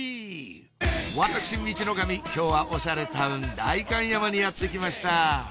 私ミチノカミ今日はおしゃれタウン代官山にやって来ました